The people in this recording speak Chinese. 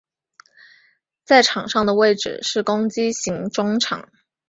在场上的位置是攻击型中场。